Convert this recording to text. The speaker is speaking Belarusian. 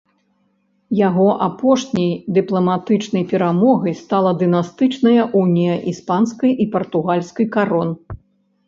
Яго апошняй дыпламатычнай перамогай стала дынастычная унія іспанскай і партугальскай карон.